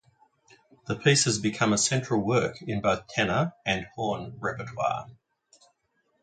The piece has become a central work in both tenor and horn repertoire.